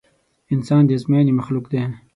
انسان د ازموينې مخلوق دی.